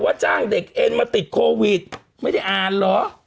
จ้างเด็กเอ็นมาติดโควิดไม่ได้อ่านเหรอ